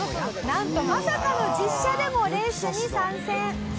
なんとまさかの実車でもレースに参戦！